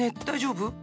大丈夫？